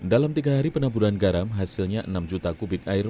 dalam tiga hari penaburan garam hasilnya enam juta kubik air